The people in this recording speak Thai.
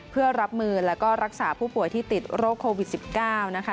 เพื่อรับมือแล้วก็รักษาผู้ป่วยที่ติดโรคโควิด๑๙นะคะ